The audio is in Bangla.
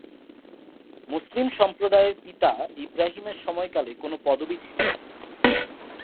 মুসলিম সম্প্রদায় এর পিতা ইব্রাহিমের সময়কালে কোন পদবি ছিলো না।